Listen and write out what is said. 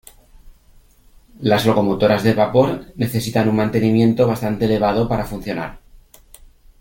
Las locomotoras de vapor necesitan un mantenimiento bastante elevado para funcionar.